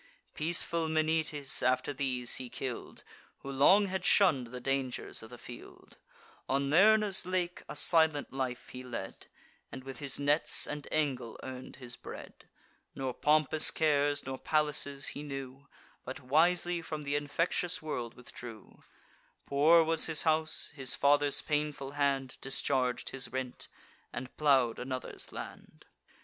Peaceful Menoetes after these he kill'd, Who long had shunn'd the dangers of the field: On Lerna's lake a silent life he led, And with his nets and angle earn'd his bread; Nor pompous cares, nor palaces, he knew, But wisely from th' infectious world withdrew: Poor was his house; his father's painful hand Discharg'd his rent, and plow'd another's land.